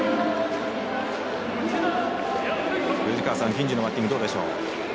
銀次のバッティングどうでしょう。